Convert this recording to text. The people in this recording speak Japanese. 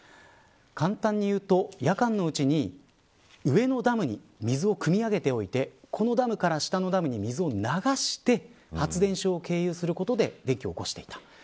簡単に言うと、夜間のうちに上のダムに水をくみ上げておいて上のダムから、下のダムに水を流して発電所を経由することで電気を起こしていた。